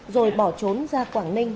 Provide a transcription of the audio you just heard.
rồi bỏ trốn ra quảng ninh